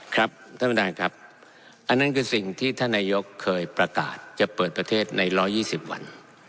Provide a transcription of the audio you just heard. ครับท่านประธานครับอันนั้นคือสิ่งที่ท่านนายกเคยประกาศจะเปิดประเทศใน๑๒๐วัน